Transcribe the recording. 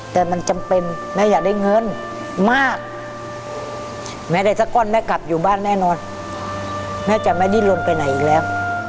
แต่มันจำเป็นแม่อยากได้เงินมากแม่ได้สักก้อนแม่กลับอยู่บ้านแน่นอนแม่จะไม่ดิ้นลนไปไหนอีกแล้ว